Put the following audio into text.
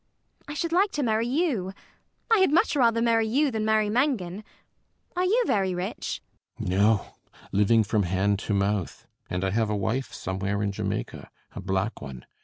I should like to marry you. I had much rather marry you than marry Mangan. Are you very rich? CAPTAIN SHOTOVER. No. Living from hand to mouth. And I have a wife somewhere in Jamaica: a black one.